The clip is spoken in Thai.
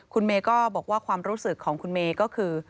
คุณเมย์ก็บอกว่าความรู้สึกของคุณเมย์ก็คือ